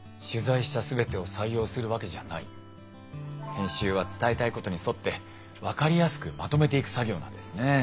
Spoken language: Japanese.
編集は伝えたいことに沿って分かりやすくまとめていく作業なんですね。